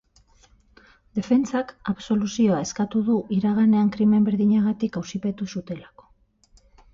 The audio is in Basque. Defentsak absoluzioa eskatu du iraganean krimen berdinagatik auzipetu zutelako.